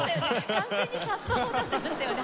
完全にシャットアウトしてましたよね